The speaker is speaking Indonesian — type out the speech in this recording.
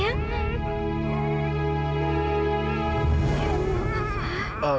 nah pak fah